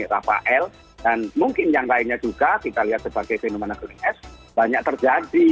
rafael dan mungkin yang lainnya juga kita lihat sebagai fenomena gunung es banyak terjadi